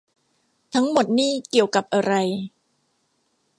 ทั้งหมดนี่เกี่ยวกับอะไร